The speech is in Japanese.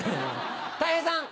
たい平さん。